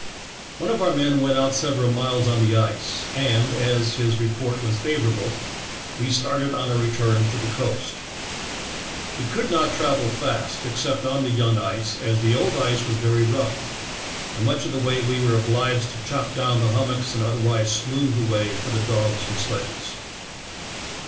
One of our men went out several miles on the ice, and, as his report was favorable, we started on our return to the coast. We could not travel fast, except on the young ice, as the old ice was very rough, and much of the way we were obliged to chop down the hum mocks and otherwise smooth the way for the dogs and sledges.